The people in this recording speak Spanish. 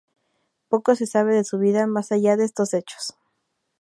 Poco se sabe de su vida más allá de estos hechos.